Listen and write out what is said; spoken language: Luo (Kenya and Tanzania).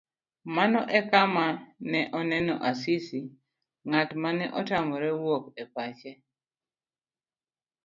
Mano ekama ne onene Asisi, ng'at mane otamre wuok e pache.